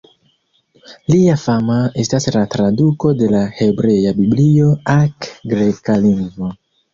Lia fama estas la traduko de la Hebrea Biblio ak greka lingvo.